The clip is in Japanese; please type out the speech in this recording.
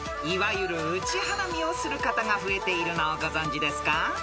［いわゆるうち花見をする方が増えているのをご存じですか？］